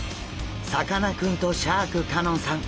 さかなクンとシャーク香音さん